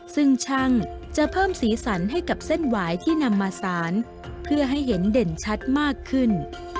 ซึ่งช่างจะเพิ่มสีสันให้กับเส้นหวายที่นำมาสารเพื่อให้เห็นเด่นชัดมากขึ้น